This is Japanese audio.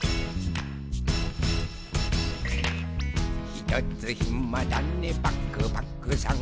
「ひとつひまだねパクパクさん」